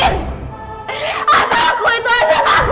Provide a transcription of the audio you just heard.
anak aku itu anak aku